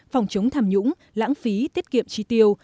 phòng chống tham nhũng lãng phí tiết kiệm chi tiêu